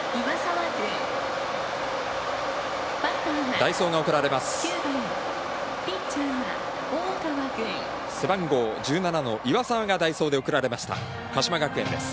代走が送られます。